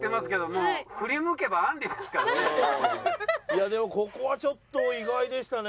いやでもここはちょっと意外でしたね。